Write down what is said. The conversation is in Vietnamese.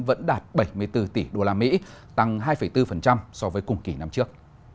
vẫn đạt bảy mươi bốn tỷ usd tăng hai bốn so với cùng kỳ năm trước